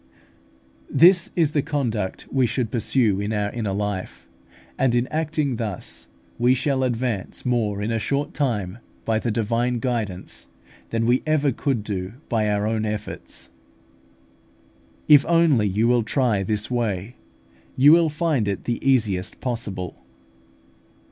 This is the conduct we should pursue in our inner life, and in acting thus we shall advance more in a short time by the Divine guidance, than we ever could do by our own efforts. If only you will try this way, you will find it the easiest possible.